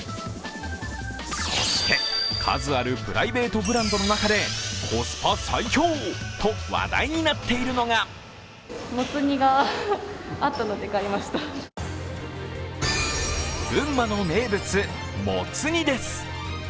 そして数あるプライベートブランドの中でコスパ最強と話題になっているのが群馬の名物モツ煮です。